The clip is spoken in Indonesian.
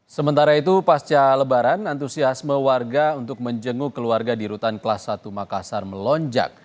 sementara itu pasca lebaran antusiasme warga untuk menjenguk keluarga di rutan kelas satu makassar melonjak